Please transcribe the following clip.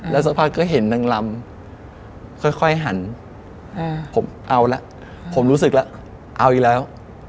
แล้วสักพักก็เห็นนางลำค่อยหันผมเอาละผมรู้สึกแล้วเอาอีกแล้ว